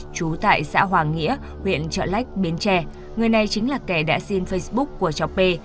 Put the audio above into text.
trú tại xã hoàng nghĩa huyện trợ lách bến tre người này chính là kẻ đã xin facebook của cháu p